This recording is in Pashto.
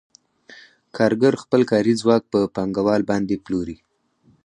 کارګر خپل کاري ځواک په پانګوال باندې پلوري